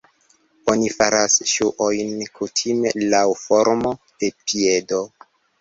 Oni faras ŝuojn kutime laŭ formo de piedo.